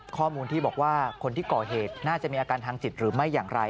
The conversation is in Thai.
ข้อมูลที่บอกว่าคนที่ก่อเหตุน่าจะมีอาการทางจิตหรือไม่อย่างไร